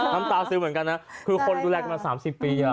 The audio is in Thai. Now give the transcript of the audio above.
น้ำตาซึมเหมือนกันนะคือคนดูแลกันมา๓๐ปี